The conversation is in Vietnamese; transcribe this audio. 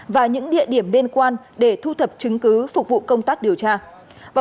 và những địa điểm liên quan để thu thập chứng cứ phục vụ công tác điều tra